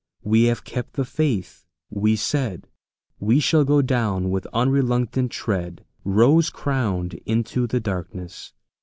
We have kept the faith!" we said; "We shall go down with unreluctant tread Rose crowned into the darkness!"